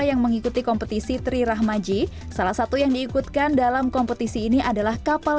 yang mengikuti kompetisi tri rahmaji salah satu yang diikutkan dalam kompetisi ini adalah kapal